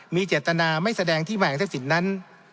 มีเจตนาไม่แสดงที่มายังเท็จสินนั้น